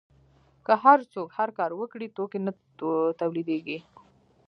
که هر څوک هر کار وکړي توکي نه تولیدیږي.